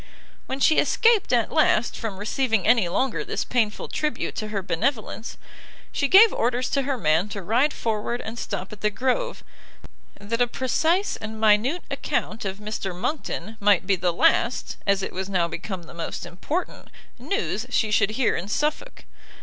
When she escaped, at last, from receiving any longer this painful tribute to her benevolence, she gave orders to her man to ride forward and stop at the Grove, that a precise and minute account of Mr Monckton, might be the last, as it was now become the most important, news she should hear in Suffolk.